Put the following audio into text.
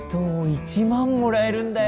１万もらえるんだよ。